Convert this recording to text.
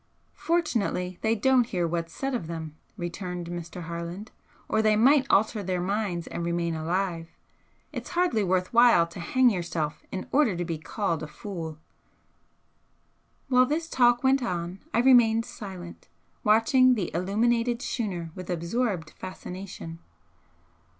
"Fortunately they don't hear what's said of them," returned Mr. Harland "or they might alter their minds and remain alive. It's hardly worth while to hang yourself in order to be called a fool!" While this talk went on I remained silent, watching the illuminated schooner with absorbed fascination.